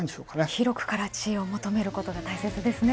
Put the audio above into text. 広くから知恵を求めることが大切ですね。